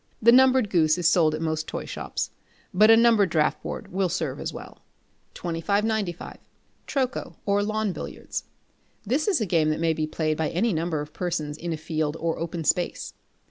The numbered goose is sold at most toy shops, but a numbered draughtboard will serve as well. 2595. Troco or Lawn Billiards. This is a game that may be played by any number of persons in a field or open space.